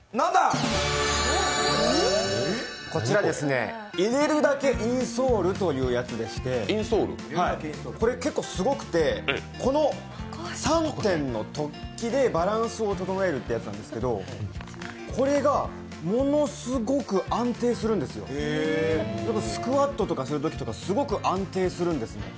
こちら、ＩＲＥＲＵＤＡＫＥインソールというやつでしてこれ結構すごくて、この３点の突起でバランスを整えるというやつなんですけど、これがものすごく安定するんですよ、スクワットとかするときとかすごく安定するんですね。